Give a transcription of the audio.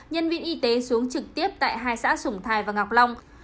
nhân viên y tế xuống trực tiếp tại hai xã sủng thài và ngọc long